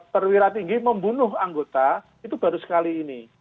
perwira tinggi membunuh anggota itu baru sekali ini